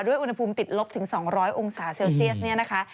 ด้วยอุณหภูมิติดลบถึง๒๐๐องศาเซลเซียส